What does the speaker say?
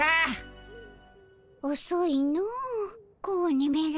おそいの子鬼めら。